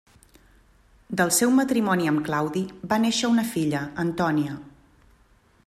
Del seu matrimoni amb Claudi va néixer una filla, Antònia.